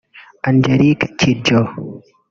Angélique Kidjo